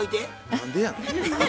何でやの？